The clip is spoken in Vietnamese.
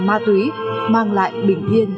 ma túy mang lại bình yên